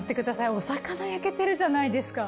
お魚焼けてるじゃないですか。